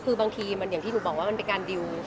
คือบางทีอย่างที่หนูบอกว่ามันเป็นการดิว